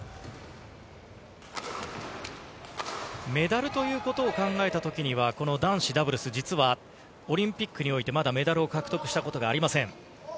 メダルということを考えたときには、この男子ダブルス、実はオリンピックにおいて、まだメダルを獲得したことがありません。